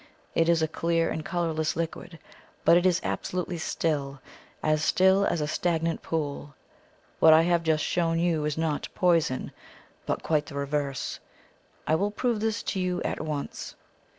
It is a clear and colourless liquid, but it is absolutely still as still as a stagnant pool. What I have just shown you is not poison, but quite the reverse. I will prove this to you at once."